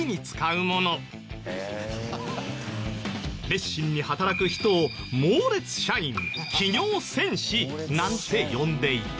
熱心に働く人を「モーレツ社員」「企業戦士」なんて呼んでいた。